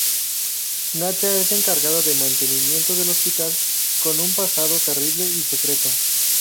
Nacha es encargada de mantenimiento del hospital, con un pasado terrible y secreto.